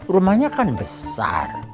rumahnya kan besar